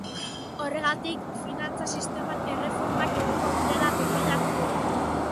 Horregatik, finantza sisteman erreformak egongo direla defendatu du.